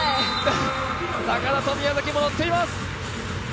高田と宮崎ものっています！